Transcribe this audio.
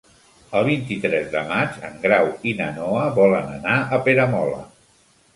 El vint-i-tres de maig en Grau i na Noa volen anar a Peramola.